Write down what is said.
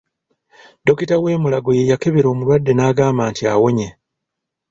Dokita w'e Mulago ye yakebera omulwadde n'agamba nti awonye.